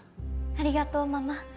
ありがとうママ。